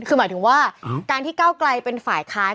คือหมายถึงว่าการที่เก้าไกลเป็นฝ่ายค้าน